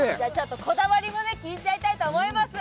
こだわりも聞いちゃいたいと思います。